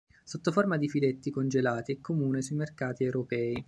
Sotto forma di filetti congelati è comune sui mercati europei.